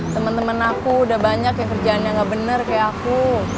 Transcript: temen temen aku udah banyak yang kerjaannya nggak bener kayak aku